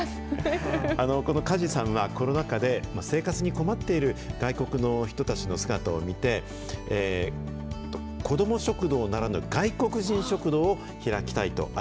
この加地さんはコロナ禍で、生活に困っている外国の人たちの姿を見て、子ども食堂ならぬ外国人食堂を開きたいと